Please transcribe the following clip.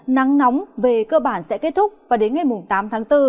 nắng nóng về cơ bản sẽ kết thúc và đến ngày tám tháng bốn